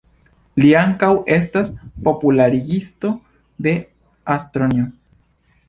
Li ankaŭ estas popularigisto de astronomio.